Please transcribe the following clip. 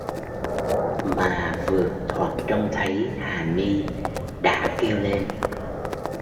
Mà vượt thoạt trông thấy hà ni đã kêu lên